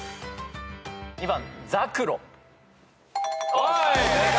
はい正解。